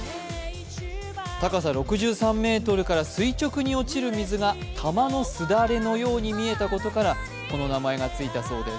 高さ６３ｍから垂直に落ちる水が玉のすだれのように見えたことからこの名前が付いたそうです。